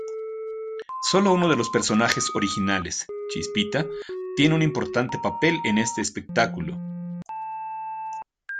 Sólo uno de los personajes originales, Chispita, tiene un importante papel en este espectáculo.